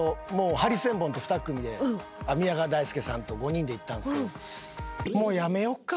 ハリセンボンと２組で宮川大輔さんと５人で行ったんですけど。